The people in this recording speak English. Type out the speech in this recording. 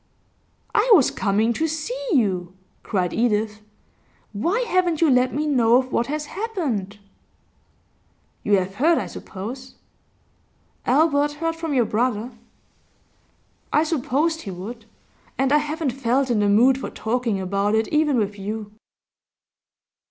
'I was coming to see you,' cried Edith. 'Why haven't you let me know of what has happened?' 'You have heard, I suppose?' 'Albert heard from your brother.' 'I supposed he would. And I haven't felt in the mood for talking about it, even with you.